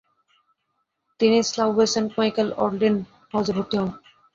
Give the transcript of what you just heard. তিনি স্লাউয়ে Saint Michael অল্ডিন হাউজে ভর্তি হন।